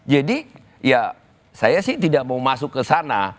jadi ya saya sih tidak mau masuk ke sana